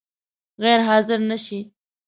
غیر حاضر نه شې؟